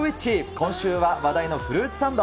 今週は話題のフルーツサンド。